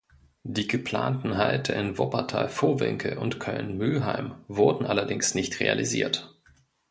Die geplanten Halte in Wuppertal-Vohwinkel und Köln-Mülheim wurden allerdings nicht realisiert.